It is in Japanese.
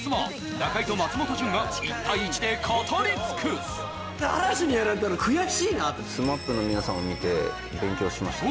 中居と松本潤が１対１で語り尽くす嵐にやられたら悔しいなってＳＭＡＰのみなさんを見て勉強しましたね